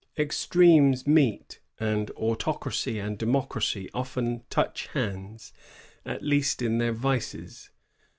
Extremes meet^ and Autocracy and Democracy often touch hands^ at least in their vices.